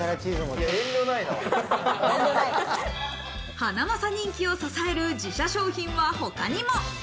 ハナマサ人気を支える自社商品は他にも。